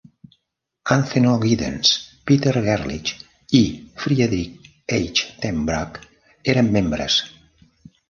Anthony Giddens, Peter Gerlich i Friedrich H. Tenbruck eren membres.